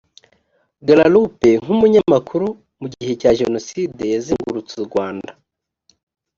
grarup nk umunyamakuru mu gihe cya jenoside yazengurutse u rwanda